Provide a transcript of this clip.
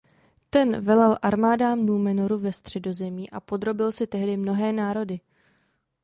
Ten velel armádám Númenoru ve Středozemi a podrobil si tehdy mnohé národy.